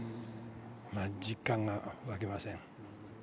まだ実感が湧きません。